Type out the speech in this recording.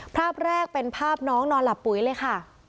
ภาพแรกเป็นภาพน้องนอนหลับปุ๋ยเลยค่ะ